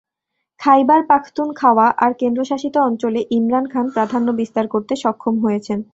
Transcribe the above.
খাইবার পাখতুনখাওয়া আর কেন্দ্রশাসিত অঞ্চলে ইমরান খান প্রাধান্য বিস্তার করতে সক্ষম হয়েছেন।